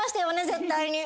絶対に。